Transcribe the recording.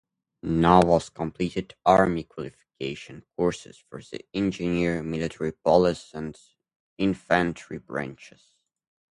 Navas completed Army qualification courses for the Engineer, Military Police, and Infantry branches.